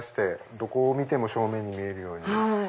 どこを見ても正面に見えるように。